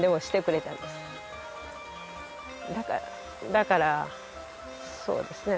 だからそうですね。